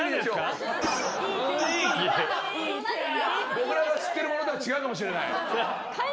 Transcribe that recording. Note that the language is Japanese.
僕らが知ってるものとは違うかもしれない。